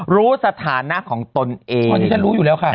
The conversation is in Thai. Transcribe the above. รู้สถานะของตนเอง